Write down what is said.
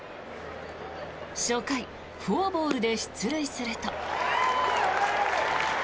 初回、フォアボールで出塁すると。